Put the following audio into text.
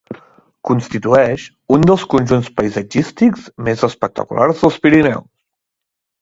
Constitueix un dels conjunts paisatgístics més espectaculars dels Pirineus.